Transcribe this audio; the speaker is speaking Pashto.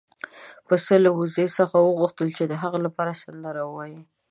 پسه له وزې څخه وغوښتل چې د هغه لپاره سندره ووايي.